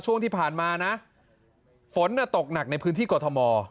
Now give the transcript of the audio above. ช่วงที่ผ่านมานะฝนตกหนักในพื้นที่กรทม